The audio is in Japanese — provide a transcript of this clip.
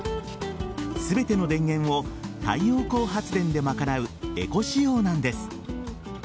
全ての電源を太陽光発電で賄うエコ仕様なんです。